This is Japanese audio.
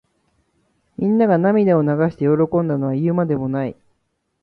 みんなが涙を流して喜んだのは言うまでもない。